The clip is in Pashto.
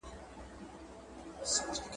د زلمیو توري څڼي به تاوده کړي محفلونه !.